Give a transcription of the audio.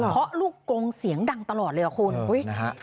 เพราะลูกกงเสียงดังตลอดเลยอ่ะคุณ